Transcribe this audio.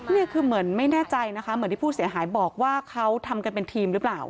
นี่คือเหมือนไม่แน่ใจนะคะเหมือนที่ผู้เสียหายบอกว่าเขาทำกันเป็นทีมหรือเปล่า